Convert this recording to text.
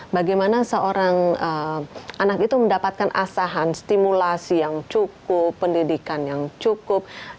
bagaimana seorang anak itu mendapatkan asahan stimulasi yang cukup pendidikan yang cukup